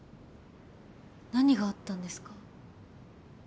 何があったんですか？